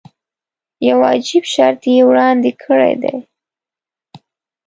یو عجیب شرط یې وړاندې کړی دی.